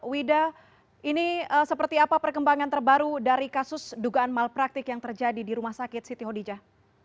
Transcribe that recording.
wida ini seperti apa perkembangan terbaru dari kasus dugaan malpraktik yang terjadi di rumah sakit siti hodijah